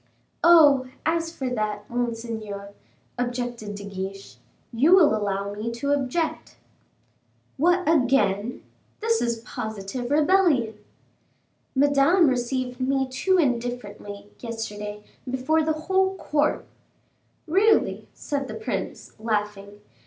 "Oh! as for that, monseigneur," objected De Guiche, "you will allow me to object." "What, again! this is positive rebellion." "Madame received me too indifferently, yesterday, before the whole court." "Really!" said the prince, laughing.